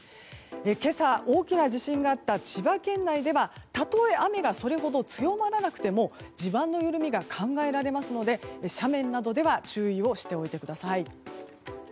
今朝、大きな地震があった千葉県内ではたとえ雨がそれほど強まらなくても地盤の緩みが考えられますので斜面などでは注意しておいてください。